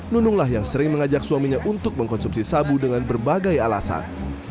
nununglah yang sering mengajak suaminya untuk mengkonsumsi sabu dengan berbagai alasan